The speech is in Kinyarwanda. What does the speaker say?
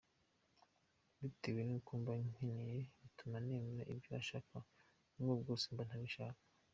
Bitewe n’ibyo mba nkeneye bituma nemera ibyo ashaka n’ubwo bwose mba ntabishaka”.